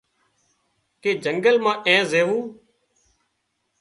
ڪي جنگل مان اين زويوون